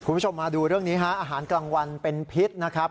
คุณผู้ชมมาดูเรื่องนี้ฮะอาหารกลางวันเป็นพิษนะครับ